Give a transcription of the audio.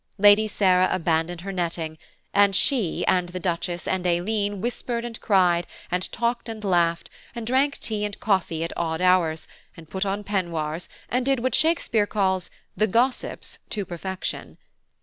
Lady Sarah abandoned her netting; and she, and the Duchess, and Aileen whispered and cried, and talked and laughed, and drank tea and coffee at odd hours, and put on peignoirs, and did what Shakespeare calls 'the gosspis' to perfection.